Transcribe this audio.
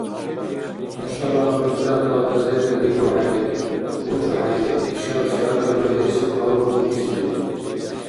Нушала миллатла газета дигухӀели, бучӀухӀели, ишабси аги багьес гьаввакӀибсири.